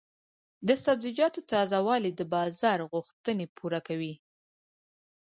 د سبزیجاتو تازه والي د بازار غوښتنې پوره کوي.